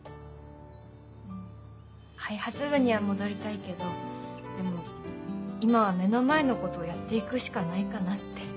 うん開発部には戻りたいけどでも今は目の前のことやっていくしかないかなって。